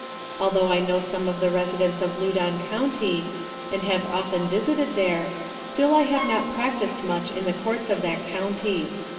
Although I know some of the residents of Loudon county, and have often visited there, still I have not practiced much in the Courts of that county.